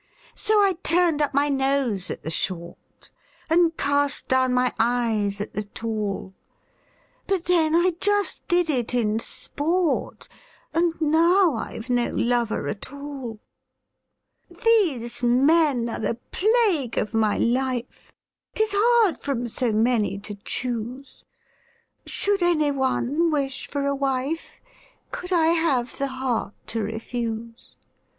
So I turned up my nose at the short, And cast down my eyes at the tall; But then I just did it in sport And now I've no lover at all! These men are the plague of my life: 'Tis hard from so many to choose! Should any one wish for a wife, Could I have the heart to refuse?